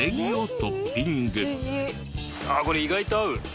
ああこれ意外と合う。